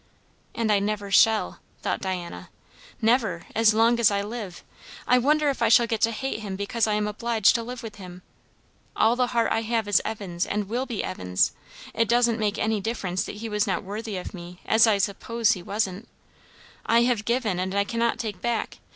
"And I never shall," thought Diana. "Never, as long as I live. I wonder if I shall get to hate him because I am obliged to live with him? All the heart I have is Evan's, and will be Evan's; it don't make any difference that he was not worthy of me, as I suppose he wasn't; I have given, and I cannot take back.